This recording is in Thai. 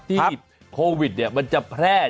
ที่โควิดมันจะแพร่